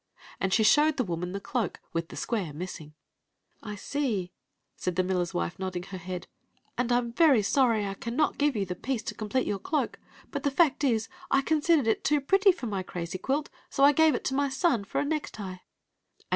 And she showed the woman the cloak, with the square missing. " I see," said the miller s wife, nodding her head ; '*and I am very sorry I cannot give you tiie piece to Story of the Magic Cloak 267 complete your cloak. But the ha:t ts» I considered it too pretty for my crazy quilt, so I gave it to my son for a necktie ••And.